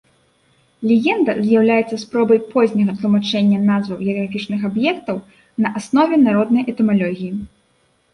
Легенда з'яўляецца спробай позняга тлумачэння назваў геаграфічных аб'ектаў на аснове народнай этымалогіі.